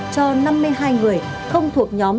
cho năm mươi hai người không thuộc nhóm